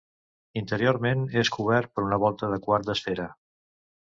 Interiorment és cobert per una volta de quart d'esfera.